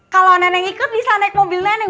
kalau neneng ikut bisa naik mobil neneng